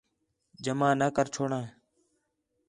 جمع نہ کر چھوڑاں